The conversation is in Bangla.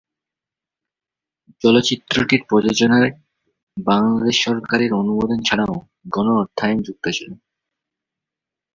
চলচ্চিত্রটির প্রযোজনায় বাংলাদেশ সরকারের অনুদান ছাড়াও গণ-অর্থায়ন যুক্ত ছিল।